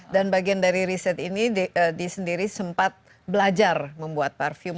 dan bagian dari riset ini dia sendiri sempat belajar membuat parfum